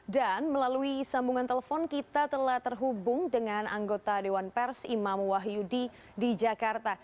dan melalui sambungan telepon kita telah terhubung dengan anggota dewan pers imam wahyudi di jakarta